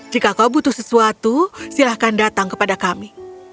jika kau butuh sesuatu silahkan datang kepada kami